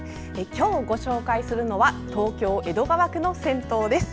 今日ご紹介するのは東京・江戸川区の銭湯です。